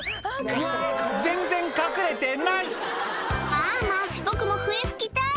「ママ僕も笛吹きたい」